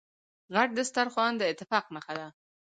غټ سترخوان داتفاق نښه ده.